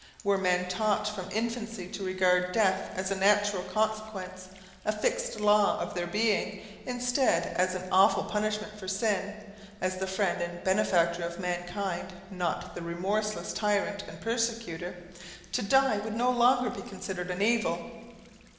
Were men taught from infancy to regard death as a natural consequence, a fixed law of their being, instead as an awful pumshment for sin as the friend and benefactor of mankind, not the remorseless tyrant and persecutor to die would no longer be considered an evil.